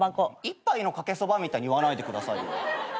「一杯のかけそば」みたいに言わないでくださいよ。